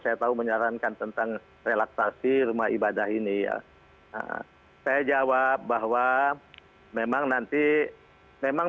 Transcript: saya tahu menyarankan tentang relaksasi rumah ibadah ini ya saya jawab bahwa memang nanti memang